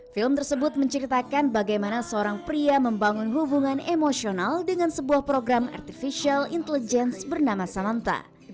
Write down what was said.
film tersebut menceritakan bagaimana seorang pria membangun hubungan emosional dengan sebuah program artificial intelligence bernama samanta